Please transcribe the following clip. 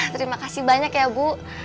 terima kasih banyak ya bu